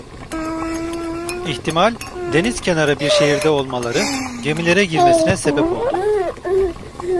İhtimal, deniz kenarı bir şehirde olmaları, gemilere girmesine sebep oldu.